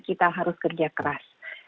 kita harus kerja keras